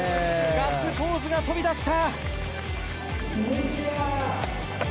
ガッツポーズが飛び出した。